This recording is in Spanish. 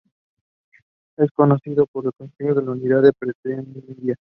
El Concilio no consiguió la unidad que pretendía.